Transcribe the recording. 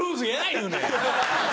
言うねん。